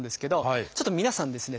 ちょっと皆さんですね